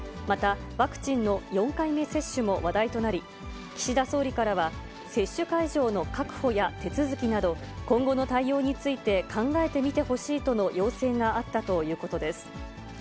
また、ワクチンの４回目接種も話題となり、岸田総理からは、接種会場の確保や手続きなど、今後の対応について考えてみてほしいとの要請があったということです。